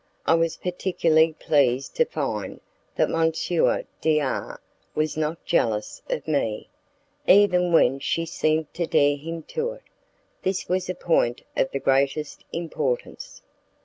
I was particularly pleased to find that M. D R was not jealous of me, even when she seemed to dare him to it. This was a point of the greatest importance.